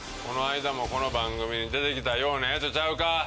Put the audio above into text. この間もこの番組に出てきたようなやつちゃうか？